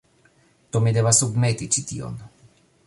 Do, mi devas submeti ĉi tion